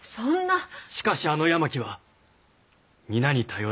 しかしあの八巻は皆に頼られる。